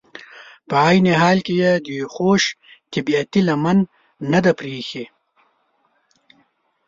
په عین حال کې یې د خوش طبعیتي لمن نه ده پرېښي.